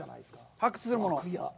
発掘するもの。